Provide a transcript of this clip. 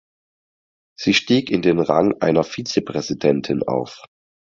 Sie stieg in den Rang einer Vizepräsidentin auf.